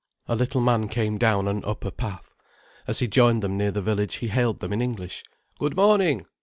A little man came down an upper path. As he joined them near the village he hailed them in English: "Good morning.